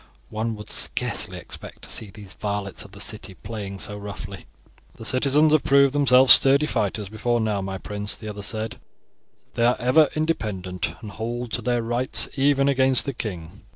One would scarcely expect to see these varlets of the city playing so roughly." "The citizens have proved themselves sturdy fighters before now, my prince," the other said; "they are ever independent, and hold to their rights even against the king.